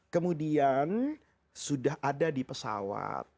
kemudian sudah ada di pesawat